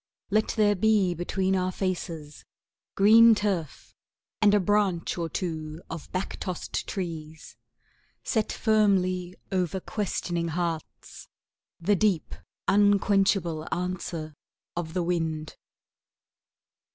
Let there be between our faces Green turf and a branch or two of back tossed trees; Set firmly over questioning hearts The deep unquenchable answer of the wind.